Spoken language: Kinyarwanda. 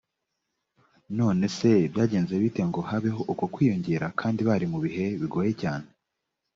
none se byagenze bite ngo habeho uko kwiyongera kandi bari mu bihe bigoye cyane